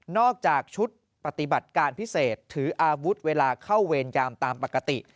จากชุดปฏิบัติการพิเศษถืออาวุธเวลาเข้าเวรยามตามปกติ